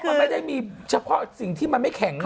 ก็ได้มีเฉพาะสิ่งที่มันไม่แข็งนะคะ